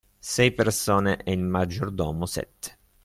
Sei persone e il maggiordomo sette.